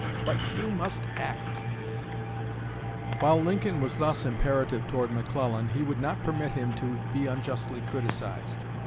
But you must act." While Lincoln was thus imperative toward McClellan, he would not permit him to be unjustly criticized.